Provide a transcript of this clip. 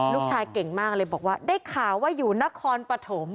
ลูกชายเก่งมากเลยบอกว่าได้ข่าวว่าอยู่นครปฐม